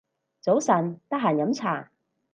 早晨，得閒飲茶